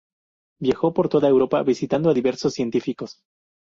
Viajó por toda Europa visitando a diversos científicos.